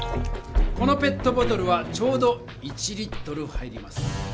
このペットボトルはちょうど１入ります。